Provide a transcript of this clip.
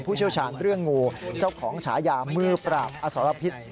เชี่ยวชาญเรื่องงูเจ้าของฉายามือปราบอสรพิษ